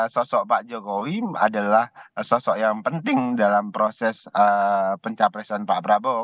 sosok pak jokowi adalah sosok yang penting dalam proses pencapresan pak prabowo